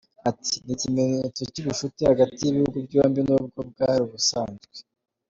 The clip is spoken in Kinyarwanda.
Ati “Ni ikimenyetso cy’ubucuti hagati y’ibihugu byombi n’ubwo bwari busanzwe.